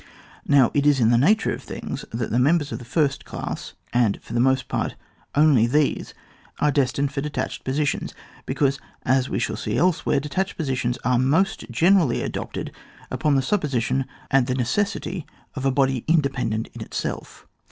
Now it is in the nature of things, that the members of the first class, and for the most part only these, are destined for detached posi tions, because, as we shall see elsewhere, detcLched positions are most generally adopted upon the supposition and the necessity of a body independent in itself.